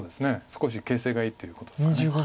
少し形勢がいいっていうことですか。